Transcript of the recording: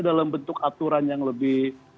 dalam bentuk aturan yang lebih